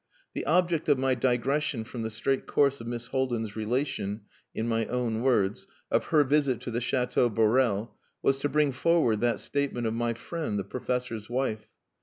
The object of my digression from the straight course of Miss Haldin's relation (in my own words) of her visit to the Chateau Borel, was to bring forward that statement of my friend, the professor's wife.